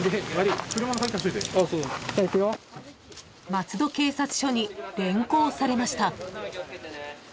［松戸警察署に連行されました］